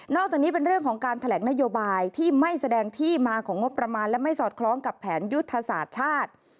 จากนี้เป็นเรื่องของการแถลงนโยบายที่ไม่แสดงที่มาของงบประมาณและไม่สอดคล้องกับแผนยุทธศาสตร์ชาติ